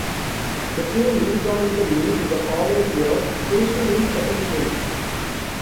The team rejoined the league the following year, finishing in second place.